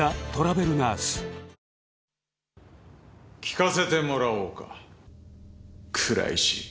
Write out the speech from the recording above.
聞かせてもらおうか倉石。